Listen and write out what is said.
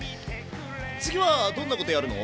次はどんなことやるの？